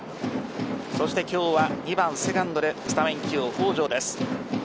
今日は２番セカンドでスタメン起用、北條です。